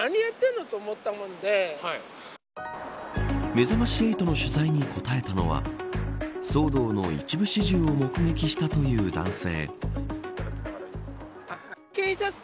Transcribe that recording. めざまし８の取材に答えたのは騒動の一部始終を目撃したという男性。